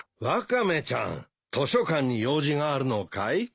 ワカメちゃん図書館に用事があるのかい？